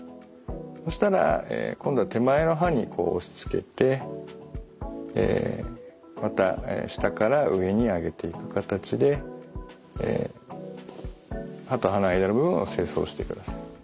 そしたら今度は手前の歯にこう押しつけてまた下から上に上げていく形で歯と歯の間の部分を清掃してください。